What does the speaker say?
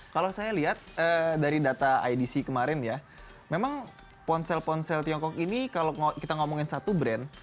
kalau saya lihat dari data idc kemarin ya memang ponsel ponsel tiongkok ini kalau kita ngomongin satu brand